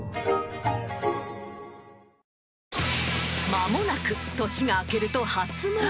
［間もなく年が明けると初詣］